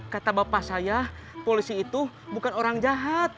kata bapak saya polisi itu bukan orang jahat